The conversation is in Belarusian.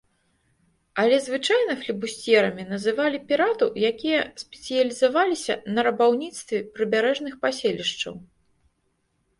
Але звычайна флібусцьерамі называлі піратаў, якія спецыялізаваліся на рабаўніцтве прыбярэжных паселішчаў.